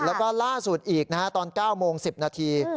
แล้วก็ล่าสุดอีกนะฮะตอน๙โมง๑๐นาที